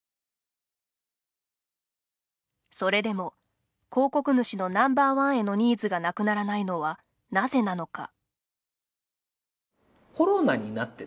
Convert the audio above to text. それでも、広告主のＮｏ．１へのニーズが無くならないのはなぜなのか。